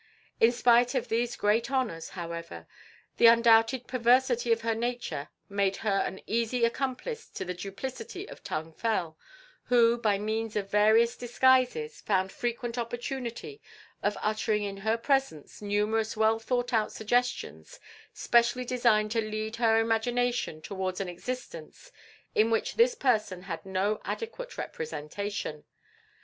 In spite of these great honours, however, the undoubted perversity of her nature made her an easy accomplice to the duplicity of Tung Fel, who, by means of various disguises, found frequent opportunity of uttering in her presence numerous well thought out suggestions specially designed to lead her imagination towards an existence in which this person had no adequate representation.